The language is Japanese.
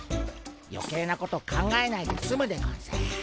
余計なこと考えないですむでゴンス。